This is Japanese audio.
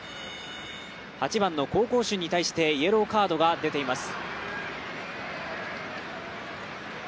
８番、コウ・コウシュンに対してイエローカードが出ています。